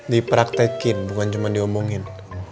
dipraktekin bukan cuma diomongin